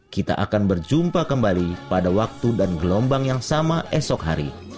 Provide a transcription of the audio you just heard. kita akan berjumpa kembali pada waktu dan gelombang yang sama esok hari